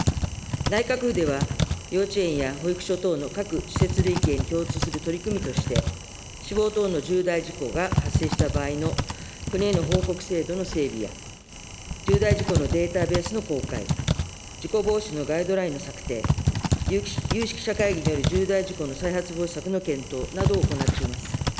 内閣府では、幼稚園や保育所等の各施設類型に共通する取り組みとして、死亡等の重大事故が発生した場合の国への報告制度の整備や、重大事故のデータベースの公開、事故防止のガイドラインの策定、有識者会議による重大事故の再発防止策の検討などを行っています。